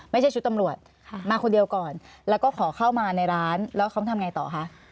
ไม่ใช่ชุดตำรวจมาคนเดียวก่อนแล้วก็ขอเข้ามาในร้านแล้วเขาทำไงต่อคะ